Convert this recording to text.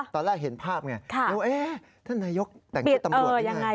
ตอนแรกเห็นภาพไงเดี๋ยวเอ๊ะท่านนายยกแต่งชีวิตตำรวจยังไง